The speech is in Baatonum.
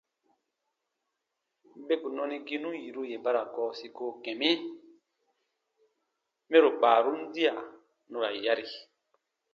Beku nɔniginu yiru yè ba ra gɔɔ siko kɛ̃ mi mɛro kpaarun diya nu ra yari.